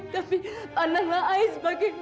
tapi pandanglah saya sebagai